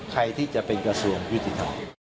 ใครที่จะเป็นกระทรวงยุติธรรม